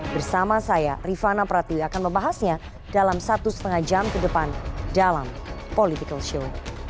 bersama saya rifana pratiwi akan membahasnya dalam satu setengah jam ke depan dalam political show